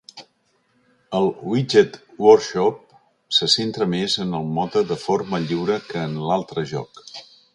El "Widget Workshop" se centra més en el mode de forma lliure que en l'altre joc.